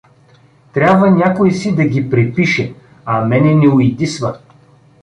Трябва някой си да ги препише, а мене не уйдисва.